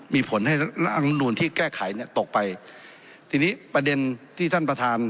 มีผลให้รัฐอำนูลที่แก้ไขเนี่ยตกไปทีนี้ประเด็นที่ท่านประธาน